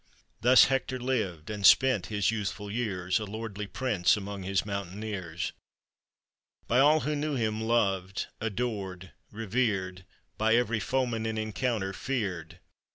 Thus Hector lived, and spent his youthful years, A lordly prince amid his mountaineers ; By all who knew him loved, adored, revered, By every foeman in encounter feared.